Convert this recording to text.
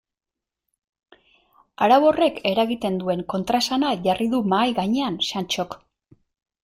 Arau horrek eragiten duen kontraesana jarri du mahai gainean Santxok.